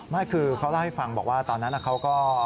ไม่คือเขาเล่าให้ฟังบอกว่าตอนนั้นเขาก็